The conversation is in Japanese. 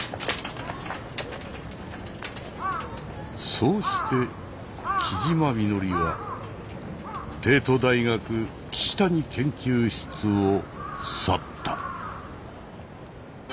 そうして木嶋みのりは帝都大学岸谷研究室を去った。